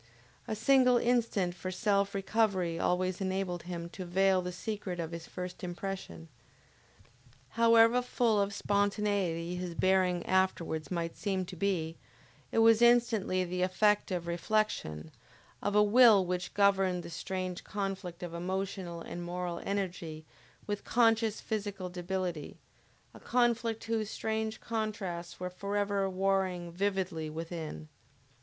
A single instant for self recovery always enabled him to veil the secret of his first impression. However full of spontaneity his bearing afterwards might seem to be, it was instantaneously the effect of reflection, of a will which governed the strange conflict of emotional and moral energy with conscious physical debility; a conflict whose strange contrasts were forever warring vividly within.